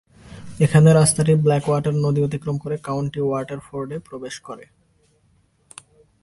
এখানে রাস্তাটি ব্ল্যাকওয়াটার নদী অতিক্রম করে কাউন্টি ওয়াটারফোর্ডে প্রবেশ করে।